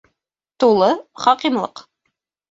Тулы хакимлыҡ.